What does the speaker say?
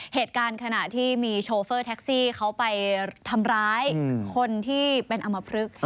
เหตุการณ์ขณะที่มีโชเฟอร์แท็กซี่เขาไปทำร้ายคนที่เป็นอำมพลึก